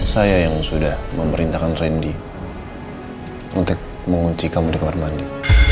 saya yang sudah memerintahkan randy untuk mengunci kamu di kamar mandi